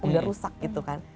udah rusak gitu kan